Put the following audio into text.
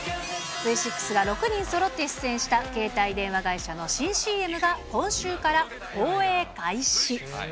Ｖ６が６人そろって出演した携帯電話会社の新ＣＭが今週から放映開始。